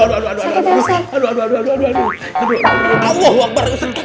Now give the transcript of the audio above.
aduh aduh aduh aduh